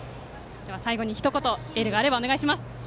最後にひと言エールがあればお願いします。